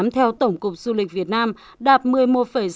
theo tổng cục du lịch việt nam đạt một mươi một sáu mươi một triệu lời khách